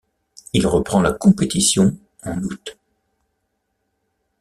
Il reprend la compétition en août.